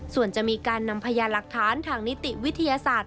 ส่วนจะมีการนำพยานหลักฐานทางนิติวิทยาศาสตร์